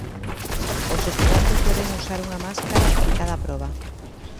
Os estudantes deben usar unha máscara en cada proba.